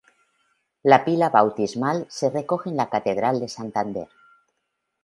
La pila bautismal se recoge en la Catedral de Santander.